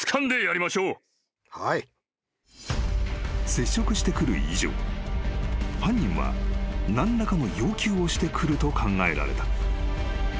［接触してくる以上犯人は何らかの要求をしてくると考えられた］